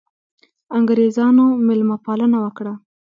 انګرېزانو مېلمه پالنه وکړه.